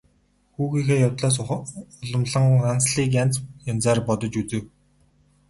Хүүгийнхээ явдлаас уламлан Нансалыг янз янзаар бодож үзэв.